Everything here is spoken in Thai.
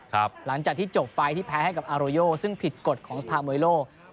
หลังจากที่จบไฟล์ที่แพ้ให้กับอาโรโยซึ่งผิดกฎของสภามวยโลก